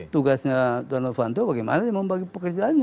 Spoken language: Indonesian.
tugasnya tuan lufanto bagaimana membagi pekerjaannya